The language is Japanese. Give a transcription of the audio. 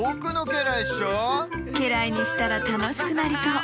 けらいにしたらたのしくなりそう。